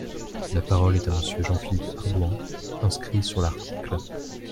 La parole est à Monsieur Jean-Philippe Ardouin, inscrit sur l’article.